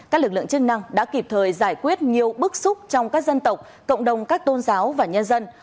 các lực lượng chức năng đã kịp thời giải quyết nhiều bức xúc trong các dân tộc cộng đồng các tôn giáo và nhân dân